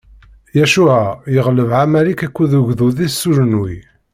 Yacuɛa yeɣleb Ɛamaliq akked ugdud-is s ujenwi.